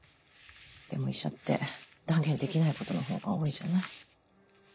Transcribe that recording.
でも医者って断言できないことのほうが多いじゃない。